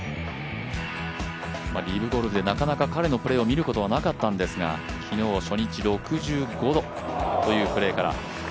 リブゴルフでなかなか彼のプレーを見ることがなかったんですが昨日は初日６５というプレーから。